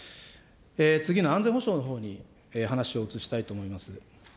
次の安全保障のほうに話を移したいと思います。